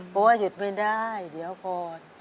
เพราะว่าหยุดไม่ได้เดี๋ยวก่อน